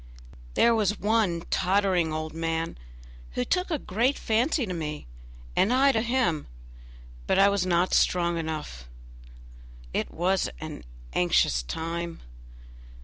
There was one tottering old man who took a great fancy to me, and I to him, but I was not strong enough it was an anxious time!